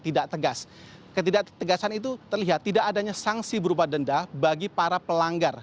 tidak tegas ketidak tegasan itu terlihat tidak adanya sanksi berupa denda bagi para pelanggar